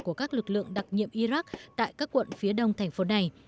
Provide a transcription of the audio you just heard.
của các lực lượng đặc nhiệm iraq tại các quận phía đông thành phố này